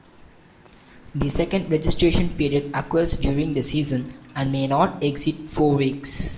The second registration period occurs during the season and may not exceed four weeks.